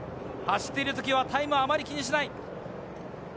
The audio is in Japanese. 走っている時はタイムをあまり気にしない。